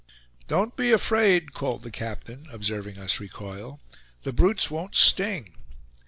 "Don't be afraid," called the captain, observing us recoil. "The brutes won't sting."